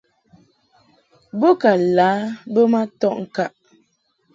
Bo ka lǎ bə ma tɔʼ ŋkaʼ.